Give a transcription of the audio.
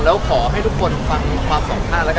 แล้วขอให้ทุกคนฟังความสองข้างแล้วกัน